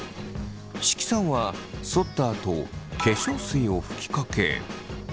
識さんはそったあと化粧水を吹きかけ。